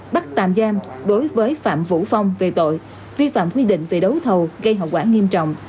bắt tạm giam đối với phạm vũ phong về tội vi phạm quy định về đấu thầu gây hậu quả nghiêm trọng